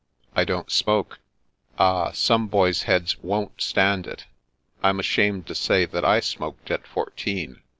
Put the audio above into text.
" I don't smoke." "Ah, some boys' heads won't stand it. I'm ashamed to say that I smoked at fourteen.